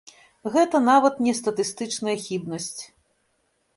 Гэта нават не статыстычная хібнасць.